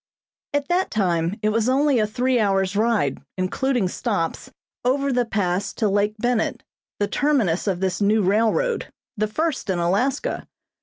At that time it was only a three hours' ride, including stops, over the Pass to Lake Bennett, the terminus of this new railroad, the first in Alaska.